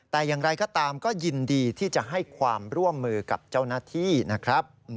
แต่อย่างไรก็ตามก็ยินดีที่จะให้ความร่วมมือกับเจ้าหน้าที่นะครับ